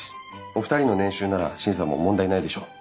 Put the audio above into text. お二人の年収なら審査も問題ないでしょう。